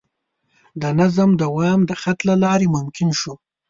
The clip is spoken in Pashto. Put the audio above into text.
د نظم دوام د خط له لارې ممکن شو.